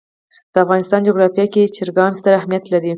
د افغانستان جغرافیه کې چرګان ستر اهمیت لري.